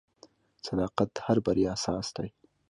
• صداقت د هر بریا اساس دی.